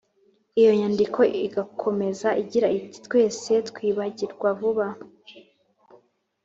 iyo nyandiko igakomeza igira iti: “twese twibagirwa vuba.